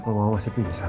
kalau mama masih pingsan